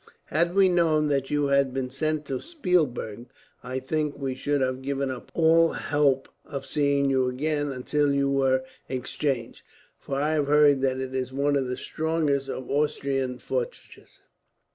Had we known that you had been sent to Spielberg, I think we should have given up all hope of seeing you again, until you were exchanged; for I have heard that it is one of the strongest of the Austrian fortresses.